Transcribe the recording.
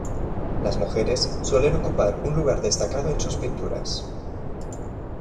Las mujeres suelen ocupar un lugar destacado en sus pinturas.